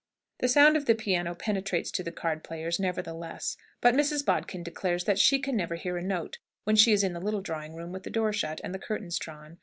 The sound of the piano penetrates to the card players, nevertheless. But Mrs. Bodkin declares that she can never hear a note, when she is in the little drawing room, with the door shut, and the curtains drawn.